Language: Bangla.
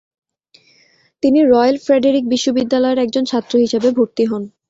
তিনি রয়েল ফ্রেডেরিক বিশ্ববিদ্যালয়ের একজন ছাত্র হিসেবে ভর্তি হন।